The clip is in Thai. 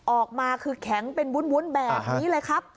ออกมาคือแข็งเป็นวุ้นแบบนี้เลยครับ